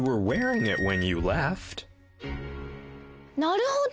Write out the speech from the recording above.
．なるほど。